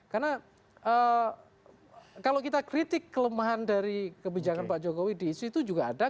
karena kalau kita kritik kelemahan dari kebijakan pak jokowi di situ juga ada